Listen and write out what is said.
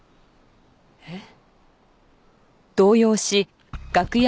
えっ？